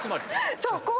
そう。